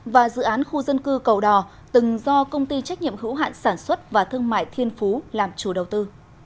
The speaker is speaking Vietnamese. và dự án khu dân cư cầu đỏ từng do công ty trách nhiệm hữu hạn sản xuất và thương mại thiên phú làm chủ đầu tư